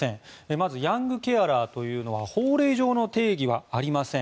まずヤングケアラーというのは法令上の定義はありません。